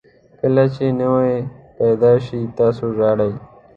کله چې نوی پیدا شئ تاسو ژاړئ.